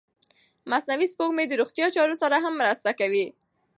مصنوعي سپوږمکۍ د روغتیا چارو سره هم مرسته کوي.